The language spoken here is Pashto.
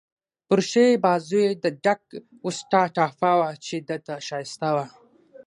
پر ښي بازو يې د ډک اوسټا ټاپه وه، چې ده ته ښایسته وه.